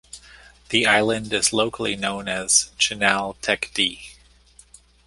The island is locally known as "Chinal Tekdi".